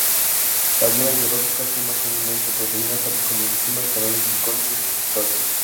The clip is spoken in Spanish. Las dianas biológicas son más comúnmente proteínas tales como enzimas, canales iónicos y receptores.